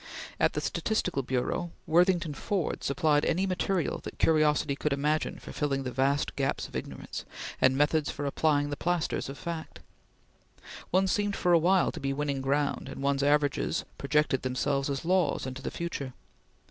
At the Statistical Bureau, Worthington Ford supplied any material that curiosity could imagine for filling the vast gaps of ignorance, and methods for applying the plasters of fact. One seemed for a while to be winning ground, and one's averages projected themselves as laws into the future.